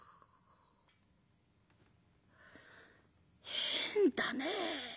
「変だね。